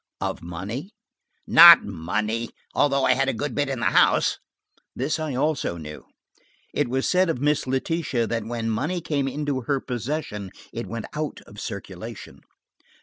"Of money?" "Not money, although I had a good bit in the house." This I also knew. It was said of Miss Letitia that when money came into her possession it went out of circulation.